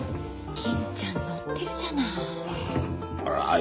銀ちゃんのってるじゃない。